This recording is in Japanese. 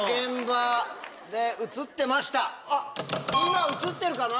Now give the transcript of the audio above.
今映ってるかな。